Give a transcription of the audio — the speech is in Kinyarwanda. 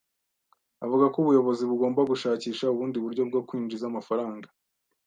Avuga ko ubuyobozi bugomba gushakisha ubundi buryo bwo kwinjiza amafaranga